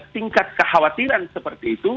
tingkat kekhawatiran seperti itu